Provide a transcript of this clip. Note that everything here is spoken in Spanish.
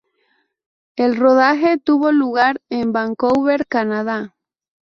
El rodaje tuvo lugar en Vancouver, Canadá.